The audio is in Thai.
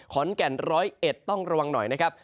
ร้อยเอ็ดต้องระวังหน่อยนะครับ